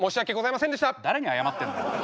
誰に謝ってんの？